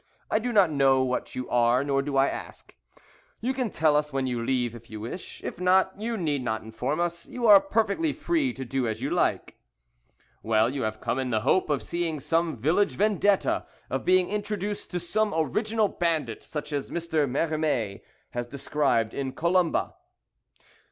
I do not know what you are, nor do I ask; you can tell us when you leave, if you wish; if not, you need not inform us; you are perfectly free to do as you like. Well, you have come in the hope of seeing some village Vendetta, of being introduced to some original bandit, such as Mr. Merimée has described in 'Columba.'"